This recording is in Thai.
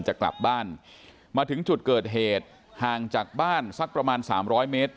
จะกลับบ้านมาถึงจุดเกิดเหตุห่างจากบ้านสักประมาณ๓๐๐เมตร